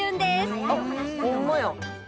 「あっホンマや」